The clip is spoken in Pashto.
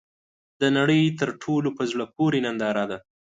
د نړۍ تر ټولو ، په زړه پورې ننداره ده .